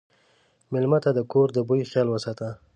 مېلمه ته د کور د بوي خیال وساته.